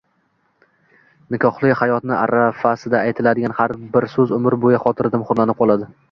Nikohli hayotni arafasida aytiladigan har bir so‘z umr bo‘yi xotirada muhrlanib qoladi.